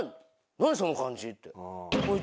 何その感じ」って。